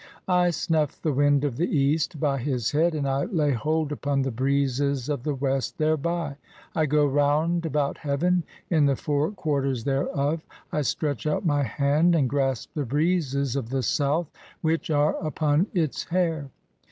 I snuff the wind of the East by "his head, and I lay hold upon the breezes of the West thereby, "(11) I go round about heaven in the four quarters thereof, "I stretch out my hand and grasp the breezes of the south [which] "are upon its hair.